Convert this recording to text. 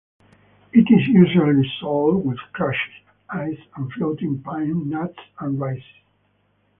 It is usually sold with crushed ice and floating pine nuts and raisins.